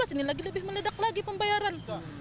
dua ribu tujuh belas ini lagi lebih meledak lagi pembayaran